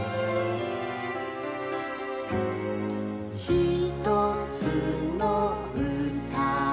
「ひとつのうたを」